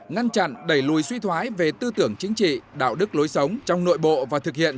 ngăn chặn đẩy lùi suy thoái về tư tưởng chính trị đạo đức lối sống trong nội bộ và thực hiện